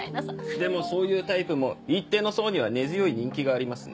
でもそういうタイプも一定の層には根強い人気がありますね。